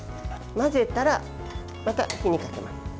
混ぜたらまた火にかけます。